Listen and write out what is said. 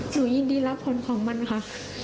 หนูยินดีรับผลของมันค่ะ